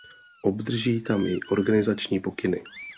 Obdrží tam i organizační pokyny.